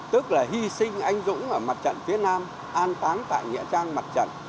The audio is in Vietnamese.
tức là hy sinh anh dũng ở mặt trận phía nam an táng tại nghĩa trang mặt trận